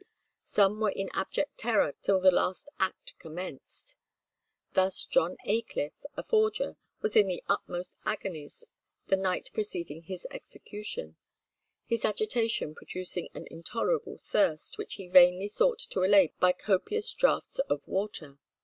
Some were in abject terror till the last act commenced. Thus John Ayliffe, a forger, was in the utmost agonies the night preceding his execution; his agitation producing an intolerable thirst, which he vainly sought to allay by copious draughts of water.